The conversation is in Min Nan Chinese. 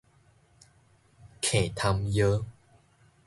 喀痰藥